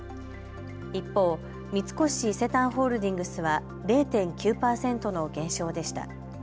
一方、三越伊勢丹ホールディングスは０．９％の減少でした。